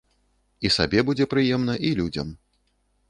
І сабе будзе прыемна, і людзям.